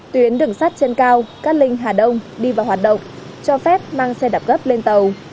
tuyến đường sắt trên cao cát linh hà đông đi vào hoạt động cho phép mang xe đạp gấp lên tàu